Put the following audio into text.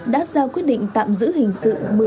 đã ra quyết định tạm giữ hình sự